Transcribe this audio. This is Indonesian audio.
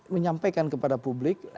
menyampaikan kepada publik